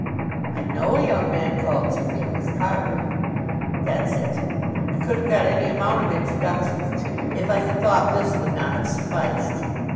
"I know a young man called Sir Felix Carbury." "That's it. I could have got any amount of introductions to you if I had thought this would not have sufficed."